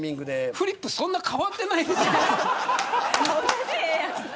フリップそんなに変わってない。